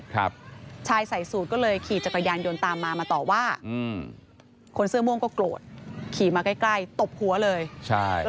กับตำรวจ